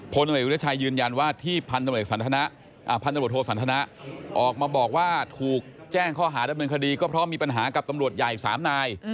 พลตำรวจวิทยาชัยยืนยันว่าที่พันตำรวจโทสันทนะออกมาบอกว่าถูกแจ้งข้อหาดำเนินคดีก็เพราะมีปัญหากับตำรวจใหญ่๓นาย